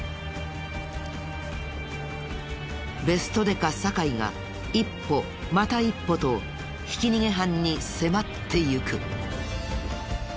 ベストデカ酒井が一歩また一歩とひき逃げ犯に迫っていく。